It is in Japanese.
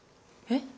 えっ？